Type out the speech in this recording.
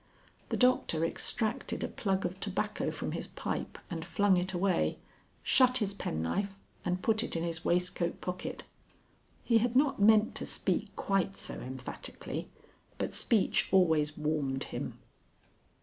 The Doctor extracted a plug of tobacco from his pipe and flung it away, shut his penknife and put it in his waistcoat pocket. He had not meant to speak quite so emphatically, but speech always warmed him.